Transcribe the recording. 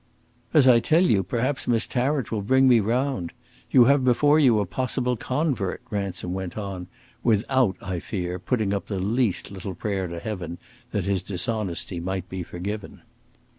"As I tell you, perhaps Miss Tarrant will bring me round. You have before you a possible convert," Ransom went on, without, I fear, putting up the least little prayer to heaven that his dishonesty might be forgiven.